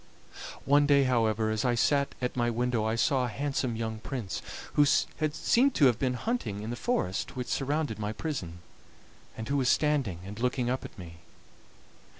One day, however, as I sat at my window I saw a handsome young prince, who seemed to have been hunting in the forest which surrounded my prison, and who was standing and looking up at me.